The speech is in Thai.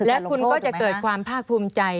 และคุณก็จะเกิดความภาคภูมิใจ